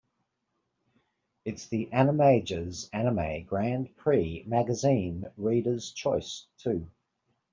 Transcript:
It's the Animage's Anime Grand Prix Magazine Reader's Choice too.